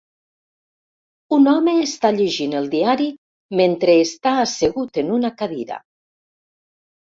Un home està llegint el diari mentre està assegut en una cadira.